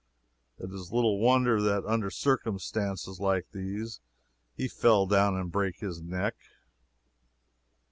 It is little wonder that under circumstances like these he fell down and brake his neck.